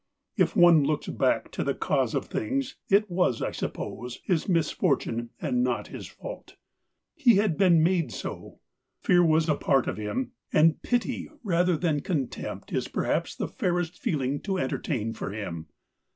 If one looks back to the cause of things, it was, I suppose, his misfor tune and not his fault. He had been made so. Fear was a part of him, and pity rather than contempt is perhaps the fairest feeling to entertain for him.